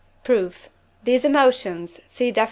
Proof. These emotions (see Def.